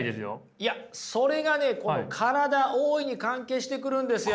いやそれがね体大いに関係してくるんですよ。